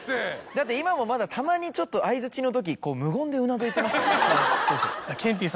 だって今もまだたまにちょっと相づちの時こう無言でうなずいてます。